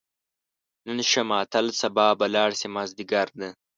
نن شه ماتل سبا به لاړ شې، مازدیګر ده